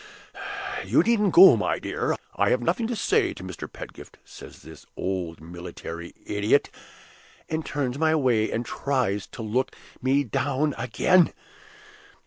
'You needn't go, my dear, I have nothing to say to Mr. Pedgift,' says this old military idiot, and turns my way, and tries to look me down again.